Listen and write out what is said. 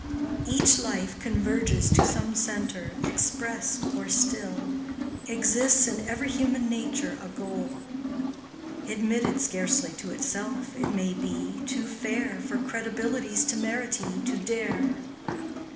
Each life converges to some centre Expressed or still; Exists in every human nature A goal, Admitted scarcely to itself, it may be, Too fair For credibility's temerity To dare.